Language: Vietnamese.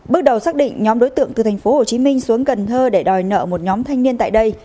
bước đầu xác định nhóm đối tượng từ tp hcm xuống cần thơ để đòi nợ một nhóm thanh niên tại đây